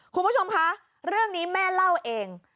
คุณผู้ชมคะเรื่องนี้แม่เล่าเอง